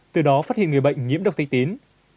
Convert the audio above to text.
từ đó phát hiện người bệnh nhiễm độc tây tín